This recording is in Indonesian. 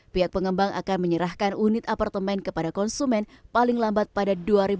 pihak pengembang akan menyerahkan unit apartemen kepada konsumen paling lambat pada dua ribu dua puluh